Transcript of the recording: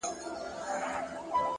وخت د زحمت ارزښت څرګندوي